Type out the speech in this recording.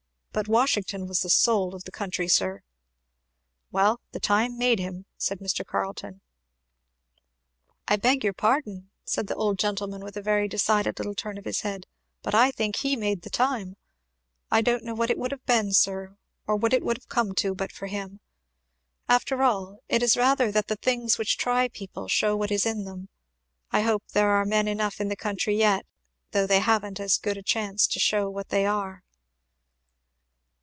But Washington was the soul of the country, sir!" "Well, the time made him," said Mr. Carleton. "I beg your pardon," said the old gentleman with a very decided little turn of his head, "I think he made the time. I don't know what it would have been, sir, or what it would have come to, but for him. After all, it is rather that the things which try people shew what is in them; I hope there are men enough in the country yet, though they haven't as good a chance to shew what they are."